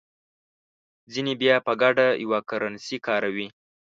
ځینې بیا په ګډه یوه کرنسي کاروي.